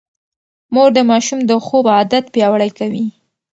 مور د ماشوم د خوب عادت پياوړی کوي.